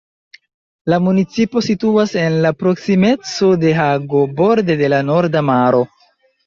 La municipo situas en la proksimeco de Hago, borde de la Norda Maro.